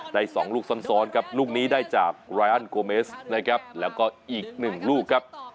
ได้สองลูกซ้อนซ้อนครับลูกนี้ได้จากนะครับแล้วก็อีกหนึ่งลูกครับ